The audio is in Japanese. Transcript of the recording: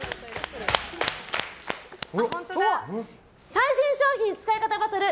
最新商品使い方バトル！